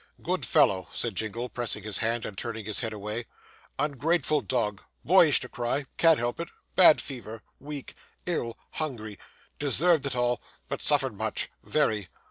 'Good fellow,' said Jingle, pressing his hand, and turning his head away. 'Ungrateful dog boyish to cry can't help it bad fever weak ill hungry. Deserved it all but suffered much very.